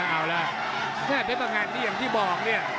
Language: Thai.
เอาล่ะเพศประงัดนี้อย่างที่บอกเนี่ย